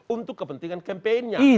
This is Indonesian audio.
untuk kepentingan campaignnya